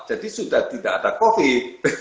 jadi sudah tidak ada covid